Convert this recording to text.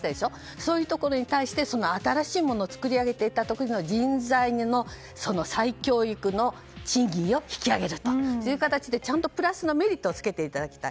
そういうところに対して新しいものを作り上げたところには人材の再教育の賃金を引き上げるという形でプラスのメリットをつけていただきたい。